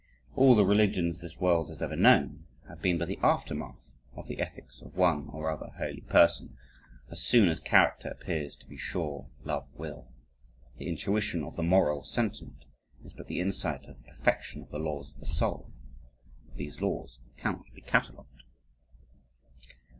All the religions this world has ever known, have been but the aftermath of the ethics of one or another holy person; "as soon as character appears be sure love will"; "the intuition of the moral sentiment is but the insight of the perfection of the laws of the soul"; but these laws cannot be catalogued.